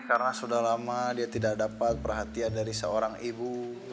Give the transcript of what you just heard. karena sudah lama dia tidak dapat perhatian dari seorang ibu